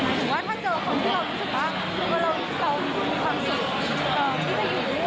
ขนาดถึงว่าท่านเจ้าของที่เรารู้สึกว่าเรารู้สึกว่าเรามีความสุขที่จะอยู่ด้วย